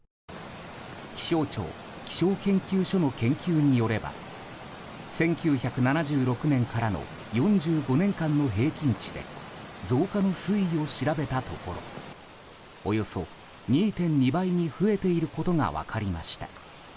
気象庁気象研究所の研究によれば１９７６年からの４５年間の平均値で増加の推移を調べたところおよそ２．２倍に増えていることが分かりました。